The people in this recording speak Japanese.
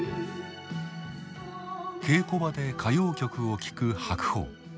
稽古場で歌謡曲を聴く白鵬。